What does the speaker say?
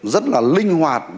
rất là linh hoạt